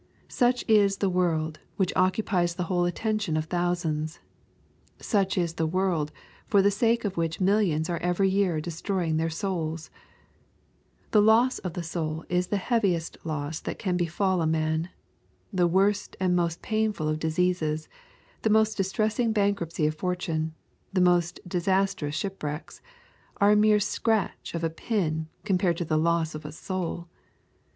Such is the world, which occupies the whole attention of thousands ! Such is the world, for the sake of which millions are every year destroying their souls ! The loss of the soul is the heaviest loss that can befall a man. The worst and most painful of diseases — the most distressing bankruptcy of fortune — the most disas trous shipwrecks — are a mere scratch of a pin compared to the loss of a soul.